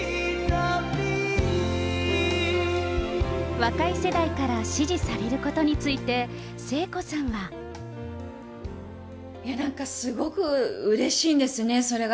若い世代から支持されることについて、聖子さんは。いや、なんかすごくうれしいんですよね、それが。